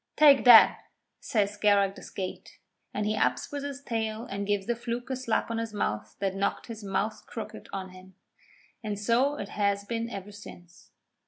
'Take that,' says Scarrag the Skate, and he ups with his tail and gives the Fluke a slap on his mouth that knocked his mouth crooked on him. And so it has been ever since.